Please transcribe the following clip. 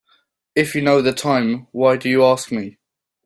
If you know the time why do you ask me?